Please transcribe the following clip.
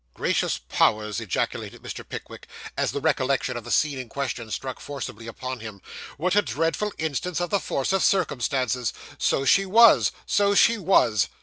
'Gracious powers!' ejaculated Mr. Pickwick, as the recollection of the scene in question struck forcibly upon him; 'what a dreadful instance of the force of circumstances! So she was so she was.